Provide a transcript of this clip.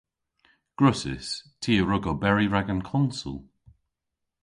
Gwrussys. Ty a wrug oberi rag an konsel.